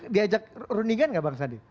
diajak runningan gak bang sandi